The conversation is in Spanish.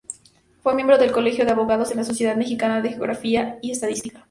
Fue miembro del Colegio de Abogados, de la Sociedad Mexicana de Geografía y Estadística.